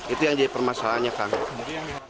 itu yang jadi permasalahannya kami